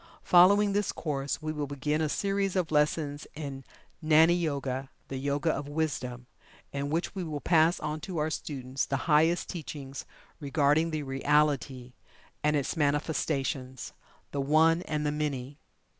Following this course, we will begin a series of lessons in "GNANI YOGA" the Yoga of Wisdom in which we will pass on to our students the highest teachings regarding the Reality and its Manifestations the One and the Many.